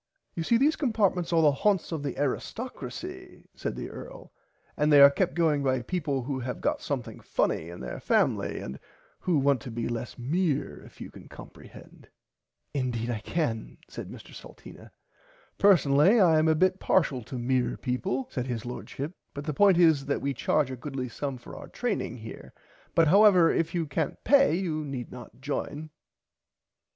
[Pg 56] You see these compartments are the haunts of the Aristockracy said the earl and they are kept going by peaple who have got something funny in their family and who want to be less mere if you can comprehend. Indeed I can said Mr Salteena. Personally I am a bit parshial to mere people said his Lordship but the point is that we charge a goodly sum for our training here but however if you cant pay you need not join.